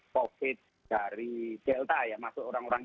covid dari delta ya masuk orang orang